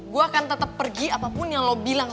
gue akan tetap pergi apapun yang lo bilang